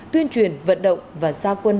tuyên truyền vận động và xa quân